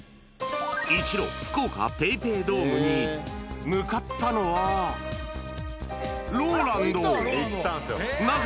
一路、福岡ＰａｙＰａｙドームに向かったのは、ＲＯＬＡＮＤ。